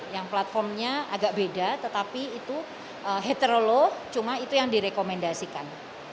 yang platformnya agak beda tetapi itu heterolog cuma itu yang direkomendasikan